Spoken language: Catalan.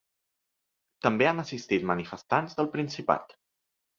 També han assistit manifestants del Principat.